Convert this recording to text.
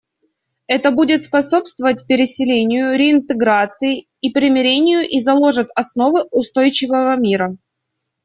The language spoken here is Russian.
Это будет способствовать переселению, реинтеграции и примирению и заложит основы устойчивого мира.